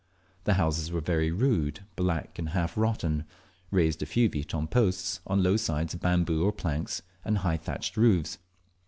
The houses were very rude, black, and half rotten, raised a few feet on posts with low sides of bamboo or planks, and high thatched roofs.